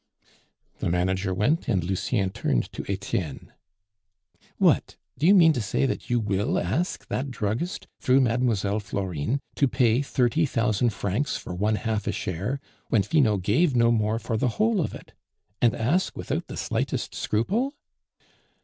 The manager went, and Lucien turned to Etienne. "What! do you mean to say that you will ask that druggist, through Mlle. Florine, to pay thirty thousand francs for one half a share, when Finot gave no more for the whole of it? And ask without the slightest scruple?